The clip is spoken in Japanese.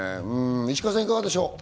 石川さん、いかがでしょう？